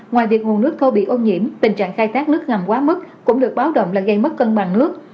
ngoài việc nguồn nước thô bị ô nhiễm tình trạng khai thác nước ngầm quá mức cũng được báo động là gây mất cân bằng nước